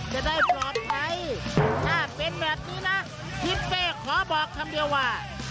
จะได้ปลอดภัยถ้าเป็นแบบนี้นะทิศเป้ขอบอกคำเดียวว่า